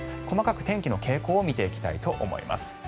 細かく天気の傾向を見ていきたいと思います。